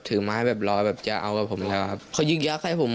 ถือไม้แบบรอแบบจะเอากับผมแล้วครับเขายึกยักษ์ให้ผม